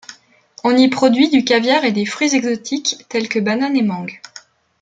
On y produit du caviar et des fruits exotiques tel que bananes et mangues.